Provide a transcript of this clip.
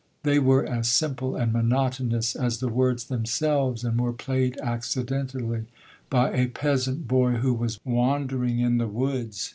They were as simple and monotonous as the words themselves, and were played accidentally by a peasant boy who was wandering in the woods.